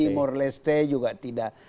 timor leste juga tidak